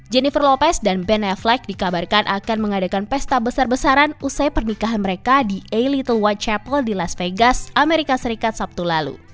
jennifer lopez dan benefleg dikabarkan akan mengadakan pesta besar besaran usai pernikahan mereka di a little what chaple di las vegas amerika serikat sabtu lalu